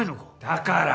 だから。